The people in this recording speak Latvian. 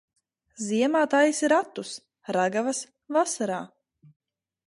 Ziemā taisi ratus, ragavas vasarā.